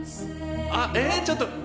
あ、ええちょっと。